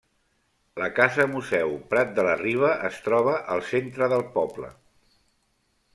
La Casa Museu Prat de la Riba es troba al centre del poble.